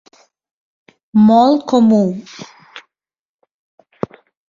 Molt comú.